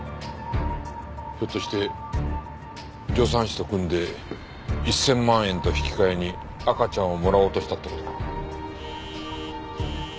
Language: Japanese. ひょっとして助産師と組んで１千万円と引き換えに赤ちゃんをもらおうとしたって事か？